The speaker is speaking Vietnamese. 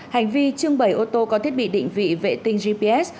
hành vi trưng bày ô tô có thiết bị định vị vệ tinh gps